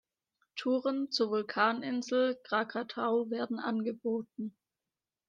Touren zur Vulkaninsel Krakatau werden angeboten.